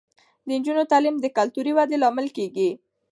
د نجونو تعلیم د کلتوري ودې لامل کیږي.